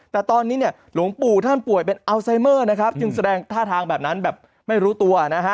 แต่ตอนนี้เนี่ยหลวงปู่ท่านป่วยเป็นอัลไซเมอร์นะครับจึงแสดงท่าทางแบบนั้นแบบไม่รู้ตัวนะฮะ